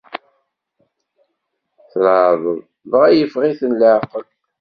Treɛdeḍ, dɣa iffeɣ-iten leɛqel.